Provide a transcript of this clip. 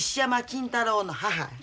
金太郎の母。